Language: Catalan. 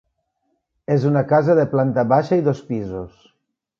És una casa de planta baixa i dos pisos.